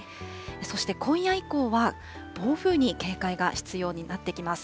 そして今夜以降は暴風に警戒が必要になってきます。